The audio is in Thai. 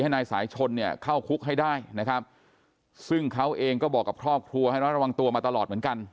นายสายชนเนี่ยเข้าคุกให้ได้นะครับซึ่งเขาเองก็บอกกับครอบครัวให้ระมัดระวังตัวมาตลอดเหมือนกัน